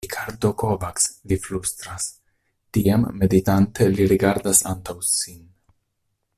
Rikardo Kovacs li flustras; tiam meditante li rigardas antaŭ sin.